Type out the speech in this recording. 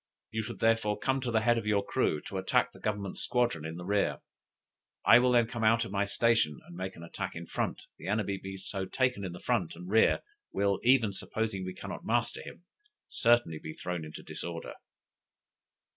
You should therefore come at the head of your crew, to attack the Government squadron in the rear. I will then come out of my station and make an attack in front; the enemy being so taken in the front and rear, will, even supposing we cannot master him, certainly be thrown into disorder."